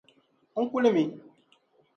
N kuli mi.